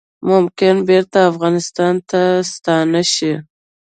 ممکن بیرته افغانستان ته ستانه شي